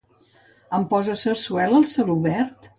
Em poses sarsuela al celobert?